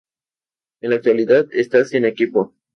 En la actualidad está sin equipo.